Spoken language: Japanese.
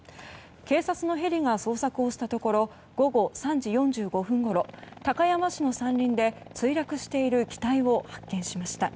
警察のヘリが捜索をしたところ午後３時４５分ごろ高山市の山林で墜落している機体を発見しました。